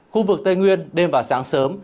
khu vực tây nguyên đêm và sáng sớm